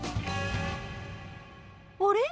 あれ？